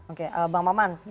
oke bang maman